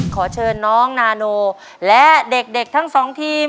ขอเชิญน้องนาโนและเด็กทั้งสองทีม